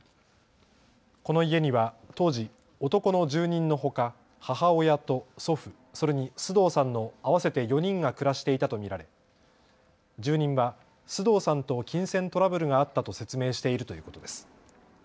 この家には当時、男の住人のほか母親と祖父、それに須藤さんの合わせて４人が暮らしていたと見られ住人は須藤さんと金銭トラブルがあったと説明しているということです。